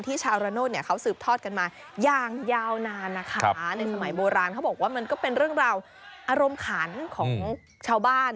ชาวระโนธเนี่ยเขาสืบทอดกันมาอย่างยาวนานนะคะในสมัยโบราณเขาบอกว่ามันก็เป็นเรื่องราวอารมณ์ขันของชาวบ้าน